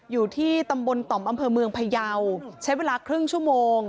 อยู่ที่ตำบลต่อมอำเภอเมืองพยาวใช้เวลาครึ่งชั่วโมง